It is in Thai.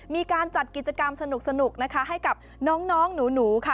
มีการจัดกิจกรรมสนุกนะคะให้กับน้องหนูค่ะ